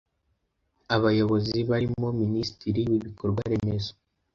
Abayobozi barimo Minisitiri w’Ibikorwa Remezo